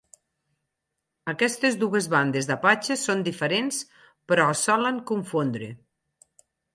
Aquestes dues bandes d"apatxes són diferents però es solen confondre.